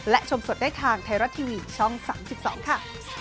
และชมสดได้ทางไทยรัฐทีวีช่อง๓๒ค่ะ